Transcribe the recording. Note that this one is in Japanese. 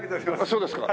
そうですか。